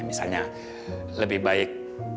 misalnya lebih baik